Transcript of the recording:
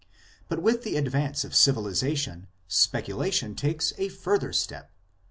But with the advance of civilization speculation takes a farther step.